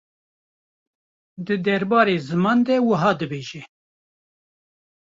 di derbarê ziman de wiha dibêje.